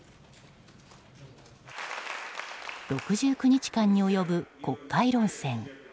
６９日間に及ぶ国会論戦。